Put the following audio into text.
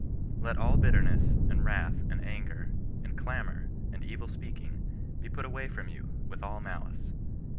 " Let all bitterness, and wrath, and anger, and clamour, and evil speaking, be put away from you, with all malice."